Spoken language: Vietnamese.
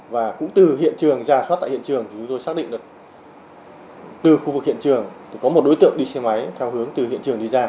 và cũng từ hiện trường ra soát tại hiện trường thì chúng tôi xác định được từ khu vực hiện trường thì có một đối tượng đi xe máy theo hướng từ hiện trường đi ra